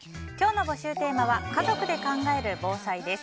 募集テーマは家族で考える防災です。